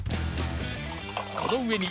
この上に